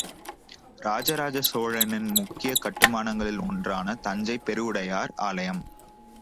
ராஜராஜசோழனின் முக்கியக் கட்டுமானங்களில் ஒன்றான தஞ்சைப் பெருவுடையார் ஆலயம்